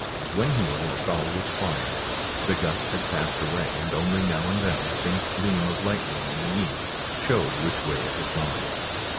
When he woke all was quiet. The gust had passed away, and only now and then a faint gleam of lightning in the east showed which way it had gone.